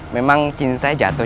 memang cincin saya jatuh